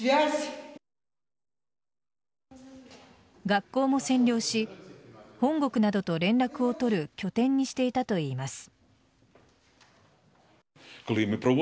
学校も占領し本国などと連絡を取る拠点にしていたといいます。